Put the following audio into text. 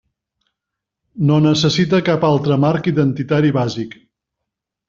No necessite cap altre marc identitari bàsic.